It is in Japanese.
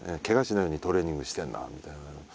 けがしないようにトレーニングしてんだみたいな。